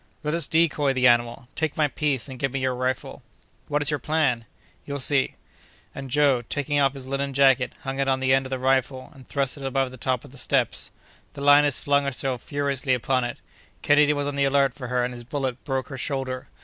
"Let us decoy the animal. Take my piece, and give me your rifle." "What is your plan?" "You'll see." And Joe, taking off his linen jacket, hung it on the end of the rifle, and thrust it above the top of the steps. The lioness flung herself furiously upon it. Kennedy was on the alert for her, and his bullet broke her shoulder.